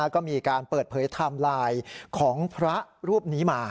ก็มีการเปิดเผยไทม์ไลน์ของพระรูปนี้มา